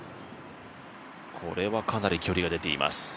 これはかなり距離が出ています